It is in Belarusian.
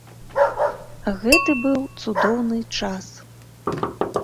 Гэты быў цудоўны час.